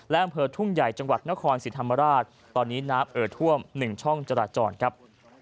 และอำเภอทุ่งใหญ่จังหวัดนครศรีธรรมราชตอนนี้น้ำเอ่อท่วม๑ช่องจราจรครับ